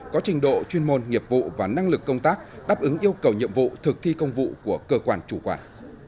có trình độ chuyên môn nghiệp vụ và năng lực công tác đáp ứng yêu cầu nhiệm vụ thực thi công vụ của cơ quan chủ quản